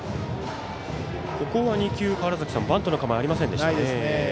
ここは２球、バントの構えありませんでした。